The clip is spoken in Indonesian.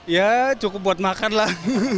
ya cukup buat makan lah